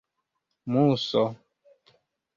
muso